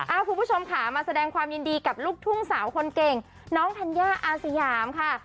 คุณผู้ชมค่ะมาแสดงความยินดีกับลูกทุ่งสาวคนเก่งน้องธัญญาอาสยามค่ะ